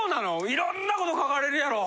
いろんなこと書かれるやろ？